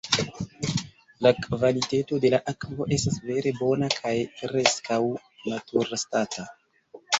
La kvaliteto de la akvo estas vere bona kaj preskaŭ naturstata.